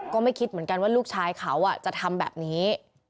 ก็ไม่คิดเหมือนกันว่าลูกชายเขาจะทำแบบนี้